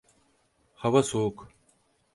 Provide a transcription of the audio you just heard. Hava soğuk.